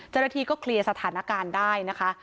เจรถีก็เคลียร์สถานการณ์ได้นะคะ